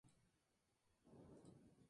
Scott quiere desesperadamente poderes propios.